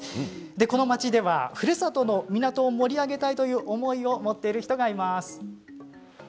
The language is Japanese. この町では、ふるさとの港を盛り上げたいという思いを持っている人がいます。